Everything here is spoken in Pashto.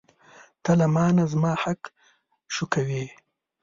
ته له مانه زما حق شوکوې.